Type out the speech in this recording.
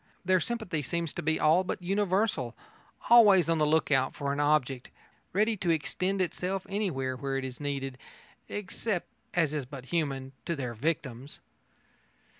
Their sympathy seems to be all but universal, always on the look out for an object, ready to extend itself anywhere where it is needed, except, as is but human, to their victims.